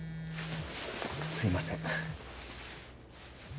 すいません。